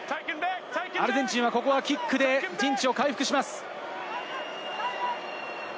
アルゼンチン、ここはキックで陣地を回復します。